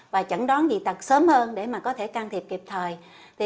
và chẩn đoán dị tật sớm hơn để mà có thể can thiệp kịp thời